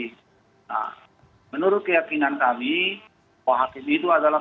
nah menurut keyakinan kami bahwa hakim itu adalah